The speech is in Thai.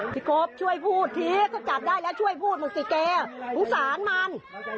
สิโกบช่วยพูดทีก็จับได้แล้วช่วยพูดเหมือนสิเกหุมสานมัน